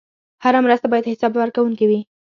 هره مرسته باید حسابورکونکې وي.